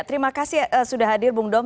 terima kasih sudah hadir bung dom